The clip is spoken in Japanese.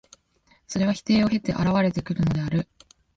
それは否定を経て現れてくるのである。